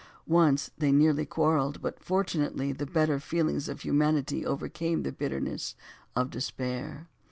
Once they nearly quarrelled, but fortunately the better feelings of humanity overcame the bitterness of despair.